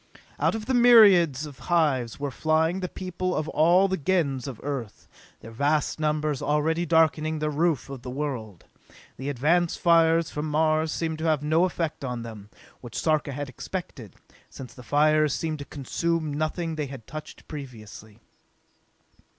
Out of the myriads of hives were flying the people of all the Gens of Earth, their vast numbers already darkening the roof of the world. The advance fires from Mars seemed to have no effect on them, which Sarka had expected, since the fires seemed to consume nothing they had touched previously.